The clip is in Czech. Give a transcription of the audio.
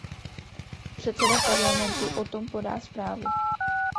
Předseda parlamentu o tom podá zprávu.